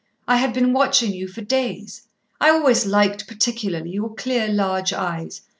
I had been watching you for days. I always liked particularly your clear, large eyes.